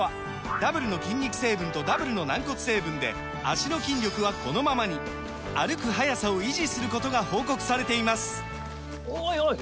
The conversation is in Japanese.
ダブルの筋肉成分とダブルの軟骨成分で脚の筋力はこのままに歩く速さを維持することが報告されていますおいおい！